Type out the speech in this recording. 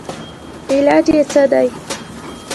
علاج ئې څۀ دے